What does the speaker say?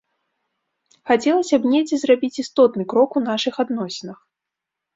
Хацелася б недзе зрабіць істотны крок у нашых адносінах.